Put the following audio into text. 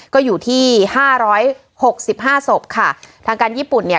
ก็อยู่ที่๕๖๕ศพค่ะทางการญี่ปุ่นเนี่ย